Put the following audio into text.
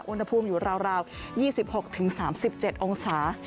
อุณหภูมิอยู่ราวยี่สิบหกถึงสามสิบเจ็ดองศา